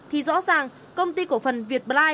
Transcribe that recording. thì rõ ràng công ty cổ phần việt bly